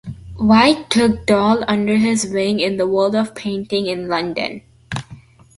White took Dahl under his wing in the world of painting in London.